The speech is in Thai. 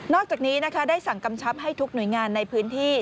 อกจากนี้นะคะได้สั่งกำชับให้ทุกหน่วยงานในพื้นที่